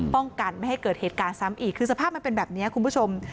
ป้องกันไม่ให้เกิดเหตุการณ์ซ้ำอีกคือสภาพมันเป็นแบบนี้คุณผู้ชม